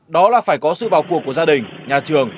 đó là phải có sự vào cuộc của gia đình nhà trường